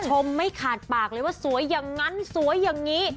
ไม่ขาดปากเลยว่าสวยอย่างนั้นสวยอย่างนี้